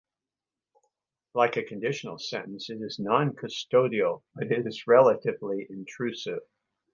Like a conditional sentence, it is non-custodial, but it is relatively intrusive.